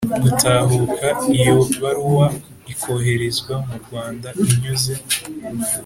gutahuka iyo baruwa ikoherezwa mu Rwanda inyuze